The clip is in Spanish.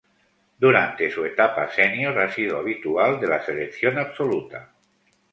Durante su etapa senior ha sido habitual de la selección absoluta.